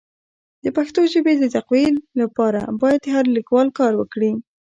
د پښتو ژبي د تقويي لپاره باید هر لیکوال کار وکړي.